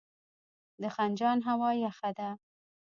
د خنجان هوا یخه ده